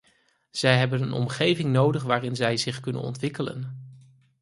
Zij hebben een omgeving nodig waarin zij zich kunnen ontwikkelen.